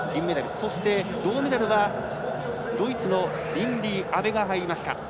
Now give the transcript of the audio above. そして、銅メダルはドイツのリンディ・アベが入りました。